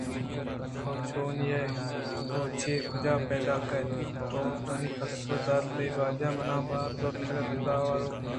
تو چو نینے ئے ءُ چہ کُجا پیداکے؟ تُوتی ءَ پسّہ دات تئی واجہ ءَ منا بہا زُرتگ ءُ اِدا آئورتگ